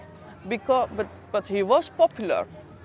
tapi dia terlihat populer